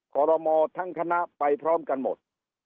ขอรมอทั้งคณะไปพร้อมกันหมด